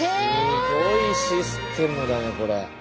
すごいシステムだねこれ。